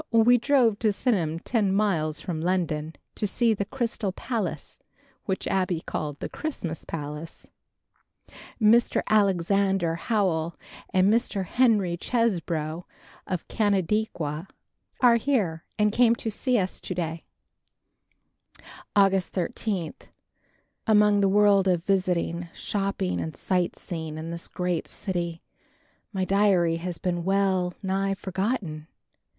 We drove to Sydenham ten miles from London, to see the Crystal Palace which Abbie called the "Christmas Palace." Mr. Alexander Howell and Mr. Henry Chesebro of Canandaigua are here and came to see us to day. August 13. Amid the whirl of visiting, shopping and sightseeing in this great city, my diary has been well nigh forgotten.